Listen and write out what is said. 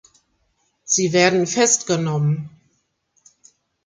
Sie werden festgenommen.